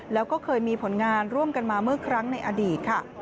แล้วก็เคยมีผลงานร่วมกันมาเมื่อครั้งในอดีตค่ะ